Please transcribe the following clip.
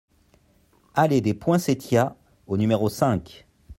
Allée des Poinsettias au numéro cinq